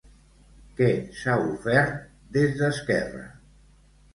Què s'ha ofert des d'Esquerra?